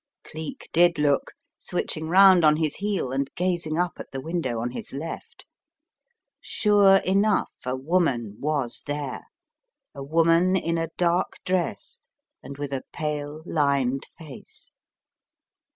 Cleek did look, switching round on his heel, and gazing up at the window on his left. Sure enough, a woman was there, a woman in a dark dress and with a pale, lined face.